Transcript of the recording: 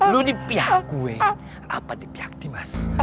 lu di pihak gue apa di pihak dimas